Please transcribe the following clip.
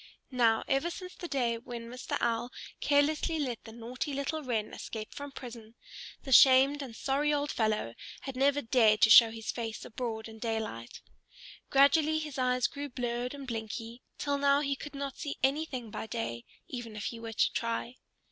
Now, ever since the day when Mr. Owl carelessly let the naughty little Wren escape from prison, the shamed and sorry old fellow had never dared to show his face abroad in daylight. Gradually his eyes grew blurred and blinky, till now he could not see anything by day, even if he were to try.